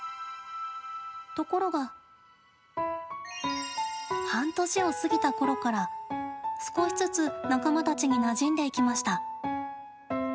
ところが半年を過ぎたころから、少しずつ仲間たちになじんでいきました。